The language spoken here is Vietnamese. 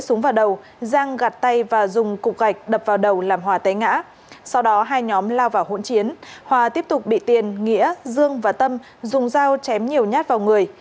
sau đó hai nhóm lao vào hỗn chiến hòa tiếp tục bị tiền nghĩa dương và tâm dùng dao chém nhiều nhát vào người